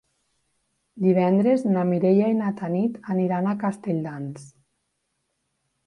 Divendres na Mireia i na Tanit aniran a Castelldans.